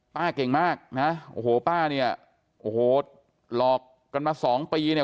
เก่งมากนะโอ้โหป้าเนี่ยโอ้โหหลอกกันมาสองปีเนี่ย